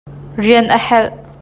Rian a helh.